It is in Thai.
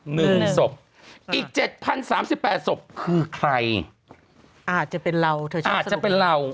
หนึ่งศพอีกเจ็ดพันสามสิบแปดศพคือใครอาจจะเป็นเราเถอะอาจจะเป็นเรา